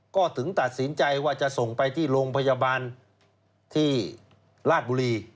ก็ถึงตัดสินใจว่าจะส่งไปที่โรงพยาบาลที่ราชบุรี